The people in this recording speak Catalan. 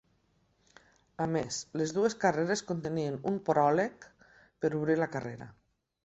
A més, les dues carreres contenien un pròleg per obrir la carrera.